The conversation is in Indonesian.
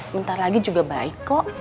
bentar lagi juga baik kok